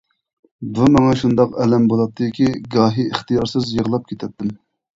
بۇ ماڭا شۇنداق ئەلەم بولاتتىكى گاھى ئىختىيارسىز يىغلاپ كېتەتتىم.